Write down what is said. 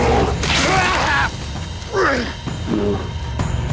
うわ！